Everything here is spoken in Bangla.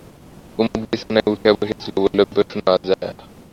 কুমুদ বিছানায় উঠিয়া বসিয়াছিল, বলিল, বোসো না জয়া।